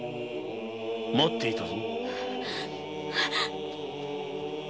待っていたぞ。